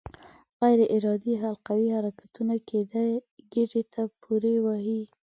غیر ارادي حلقوي حرکتونه ګېډې ته پورې وهي.